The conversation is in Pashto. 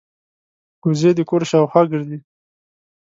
وزې د کور شاوخوا ګرځي